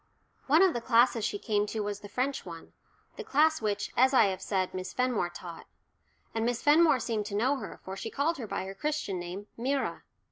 One of the classes she came to was the French one the class which, as I have said, Miss Fenmore taught. And Miss Fenmore seemed to know her, for she called her by her Christian name "Myra."